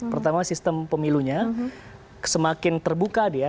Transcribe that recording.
pertama sistem pemilunya semakin terbuka dia